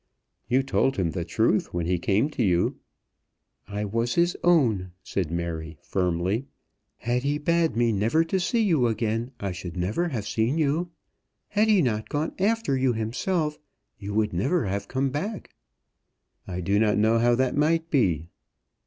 "You told him the truth when he came to you." "I was his own," said Mary, firmly. "Had he bade me never to see you again, I should never have seen you. Had he not gone after you himself, you would never have come back." "I do not know how that might be."